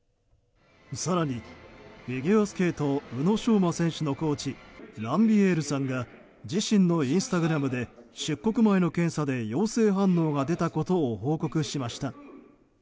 更に、フィギュアスケート宇野昌磨選手のコーチランビエールさんが自身のインスタグラムで出国前の検査で陽性反応が出たことを報告しました。